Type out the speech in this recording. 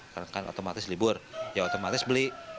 karena kan otomatis libur ya otomatis beli